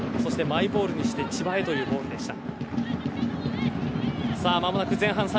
マイボールにして千葉へというボールでした。